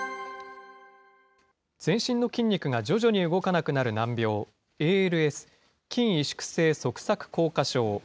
全身の筋肉が徐々に動かなくなる難病、ＡＬＳ・筋萎縮性側索硬化症。